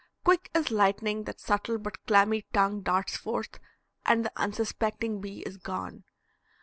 Quick as lightning that subtle but clammy tongue darts forth, and the unsuspecting bee is gone.